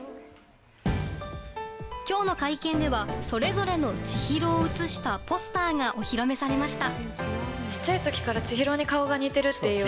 今日の会見ではそれぞれの千尋を写したポスターがお披露目されました。